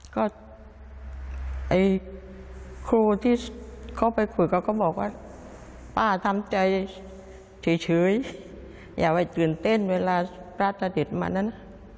ก็ไอ้ครูที่เขาไปคุยเขาก็บอกว่าป้าทำใจเฉยอย่าไปตื่นเต้นเวลาพระเสด็จมานั้น